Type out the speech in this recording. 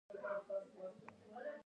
نورستان ولې دومره ځنګلونه لري؟